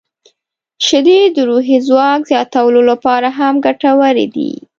• شیدې د روحي ځواک زیاتولو لپاره هم ګټورې دي.